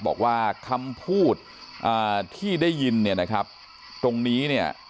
บอกว่าคำพูดที่ได้ยินตรงนี้